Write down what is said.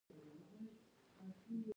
یا د ټولنیز منزلت له پلوه وي.